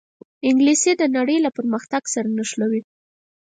انګلیسي د نړۍ له پرمختګ سره نښلوي